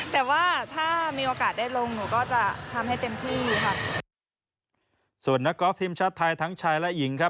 แต่ว่าถ้ามีโอกาสได้ลงหนูก็จะทำให้เต็มที่ค่ะ